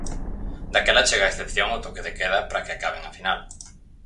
Daquela chega a excepción ao toque de queda pra que acaben a final.